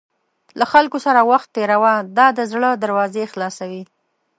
له خلکو سره وخت تېروه، دا د زړه دروازې خلاصوي.